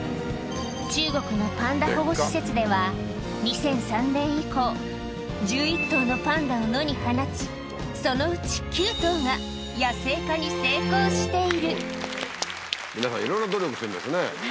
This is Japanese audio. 中国のパンダ保護施設では、２００３年以降、１１頭のパンダを野に放ち、そのうち９頭が野生皆さん、いろいろな努力してるんですね。